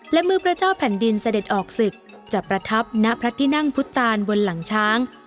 และมือพระเจ้าแผ่นดินเสด็จออกศึกจะประทับณพระที่นั่งพุทธตานบนหลังช้าง